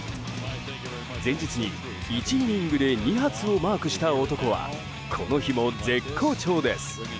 前日に、１イニングで２発をマークした男はこの日も絶好調です。